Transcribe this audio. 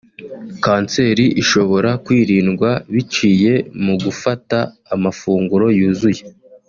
Kanseri ishobora kwirindwa biciye mu gufata amafunguro yuzuye